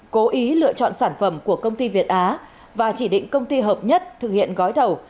cố ý lựa chọn sản phẩm của công ty việt á và chỉ định công ty hợp nhất thực hiện gói thầu